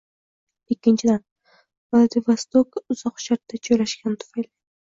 Ikkinchidan, Vladivostok Uzoq Sharqda joylashgani tufayli